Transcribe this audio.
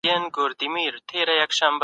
که چيرې وطن نه وای، موږ به بې کوره وو.